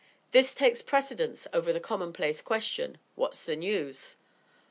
This takes precedence over the commonplace question, "What's the news?"